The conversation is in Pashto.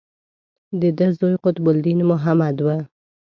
د ده زوی قطب الدین محمد و.